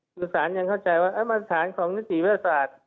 คือสารยังเข้าใจว่ามาตรฐานของนิติวิทยาศาสตร์